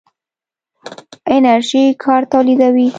انرژي کار تولیدوي.